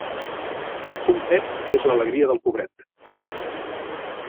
Un pet és l'alegria del pobret.